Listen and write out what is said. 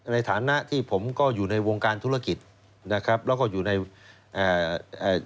ในฐานะที่ผมก็อยู่ในวงการธุรกิจนะครับแล้วก็อยู่ในอ่าเอ่อ